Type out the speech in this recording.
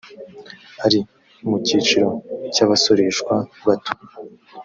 ari mu cyiciro cy abasoreshwa bato